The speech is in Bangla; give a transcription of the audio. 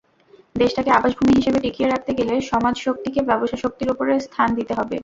দেশটাকে আবাসভূমি হিসেবে টিকিয়ে রাখতে গেলে সমাজশক্তিকে ব্যবসাশক্তির ওপরে স্থান দিতে হবে।